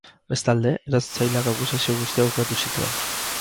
Bestalde, erasotzaileak akusazio guztiak ukatu zituen.